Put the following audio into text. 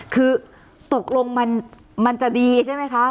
คือตกลงมันจะดีใช่ไหมคะ